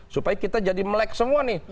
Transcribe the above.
supaya kita jadi melek semua nih